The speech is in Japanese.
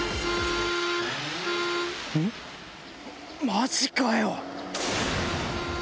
マジかよ